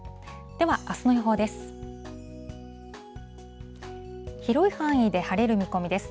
ではあすの予報です。